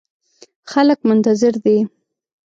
خلګ منتظر دي